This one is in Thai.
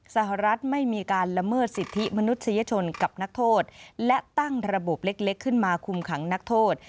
สหรัฐไม่มีการละเมิดสิทธิมนุษยชนกับนักโทษและตั้งระบบเล็กขึ้นมาคุมขังนักโทษ